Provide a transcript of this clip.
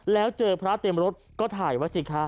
แล้วเจอพระเต็มรถก็ถ่ายไว้สิคะ